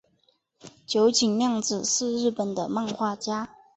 九井谅子是日本的漫画家。